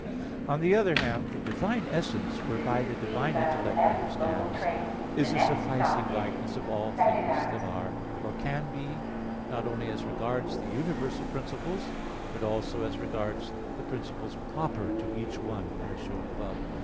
On the other hand, the divine essence, whereby the divine intellect understands, is a sufficing likeness of all things that are, or can be, not only as regards the universal principles, but also as regards the principles proper to each one, as shown above.